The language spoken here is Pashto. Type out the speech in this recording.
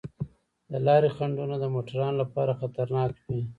د لارې خنډونه د موټروانو لپاره خطرناک وي.